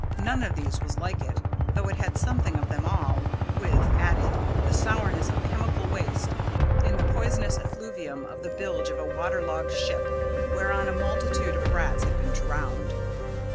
None of these was like it, though it had something of them all, with, added, the sourness of chemical waste and the poisonous effluvium of the bilge of a water logged ship whereon a multitude of rats had been drowned.